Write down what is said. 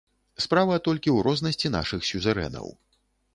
Справа толькі ў рознасці нашых сюзерэнаў.